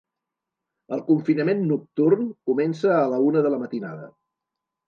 El confinament nocturn comença a la una de la matinada.